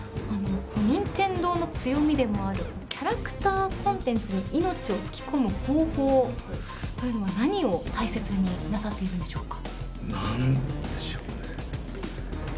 任天堂の強みでもあるキャラクターコンテンツに命を吹き込む方法というのは、何を大切になさっているんでしょうか。